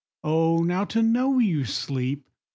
Oh, now to know you sleep!